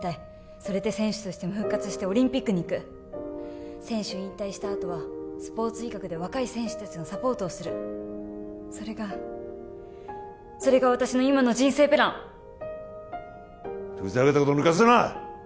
それで選手としても復活してオリンピックに行く選手を引退したあとはスポーツ医学で若い選手達のサポートをするそれがそれが私の今の人生プランふざけたこと抜かすな！